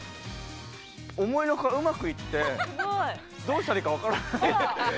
思いのほか、うまくいってどうしたらいいか分からなくなった。